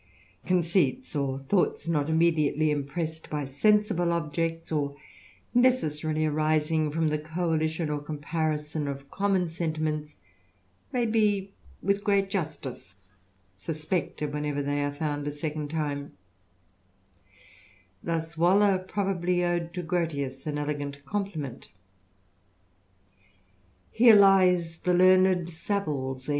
Conceits, or thoughts not immediately impressed \^^ sensible objects, or necessarily arising from the coalition <^:^^^^. comparison of common sentiments, may be with gres^^^ justice suspected whenever they are found a second tiixM^^^ Thus Waller probably owed to Grotius an elegant coi pliment :•* Here lies the learned SaviVs heir.